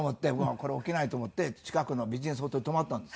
これ起きないと思って近くのビジネスホテル泊まったんですよ。